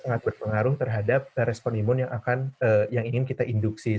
jadi saya sangat berpengaruh terhadap respon imun yang ingin kita induksi